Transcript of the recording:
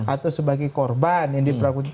atau sebagai korban yang diperlakukan